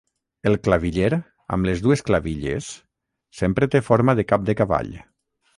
El claviller, amb les dues clavilles, sempre té forma de cap de cavall.